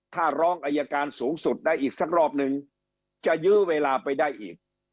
ถ้าร้องอายการสูงสุดได้อีกสักรอบนึงจะยื้อเวลาไปได้อีก